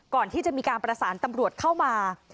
ก่อนที่จะมีการประสานตำรวจเข้ามา